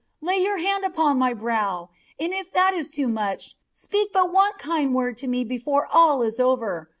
Lay your hand upon my brow, and if that is too much, speak but one kind word to me before all is over!